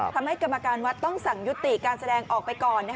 กรรมการวัดต้องสั่งยุติการแสดงออกไปก่อน